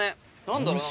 何だろう？